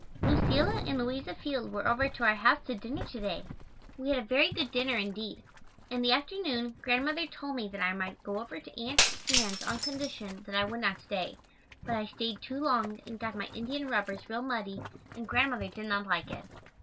Lucilla and Louisa Field were over to our house to dinner to day. We had a very good dinner indeed. In the afternoon, Grandmother told me that I might go over to Aunt Ann's on condition that I would not stay, but I stayed too long and got my indian rubbers real muddy and Grandmother did not like it.